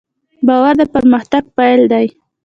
باور د پرمختګ پیل دی.